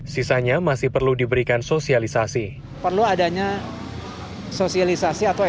sisanya masih perlu diberikan sosialisasi